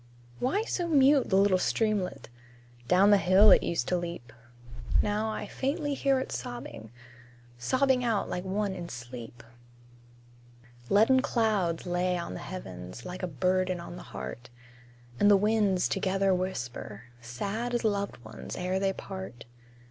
Why so mute the little streamlet? Down the hill it used to leap; Now I faintly hear it sobbing Sobbing out like one in sleep. Leaden clouds lay on the heavens, Like a burden on the heart; And the winds together whisper, Sad as loved ones ere they part.